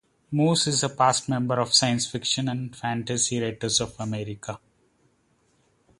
Moore is a past member of Science Fiction and Fantasy Writers of America.